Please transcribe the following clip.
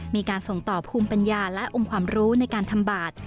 มีการส่งต่อภูมิปัญญาและองค์ความรู้ในการทำบาท